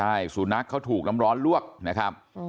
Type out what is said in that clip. ใช่สุนัขเขาถูกน้ำร้อนลวกนะครับ